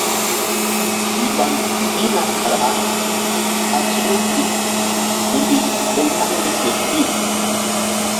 Mbam mbihna kara ɓa suŋ pi duli eŋ hani ke guy.